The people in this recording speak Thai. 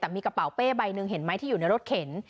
แต่มีกระเป๋าเป้ใบหนึ่งเห็นไหมที่อยู่ในรถเข็น